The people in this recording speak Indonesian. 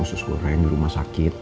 susu orang yang di rumah sakit